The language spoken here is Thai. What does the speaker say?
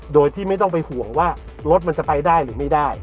โดยที่ไม่ต้องไปห่วงว่ารถมันจะไปได้หรือไม่ได้